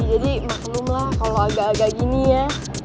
jadi maklum lah kalo agak agak gini ya